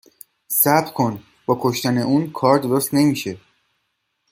صبر کن ، با کشتن اون کار درست نمیشه